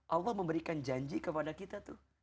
allah memberikan janji kepada kita tuh